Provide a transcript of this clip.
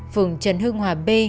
phường trần hương hòa b